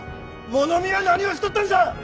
物見は何をしとったんじゃ！